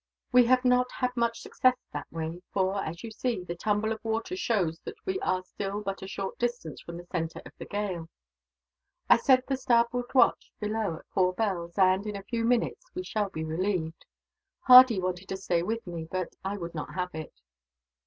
We have not had much success that way for, as you see, the tumble of water shows that we are still but a short distance from the centre of the gale. I sent the starboard watch below at four bells and, in a few minutes, we shall be relieved. Hardy wanted to stay with me, but I would not have it.